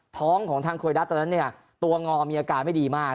ท้องของทางโคยดัสตอนนั้นเนี่ยตัวงอมีอาการไม่ดีมาก